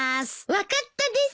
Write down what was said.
分かったです！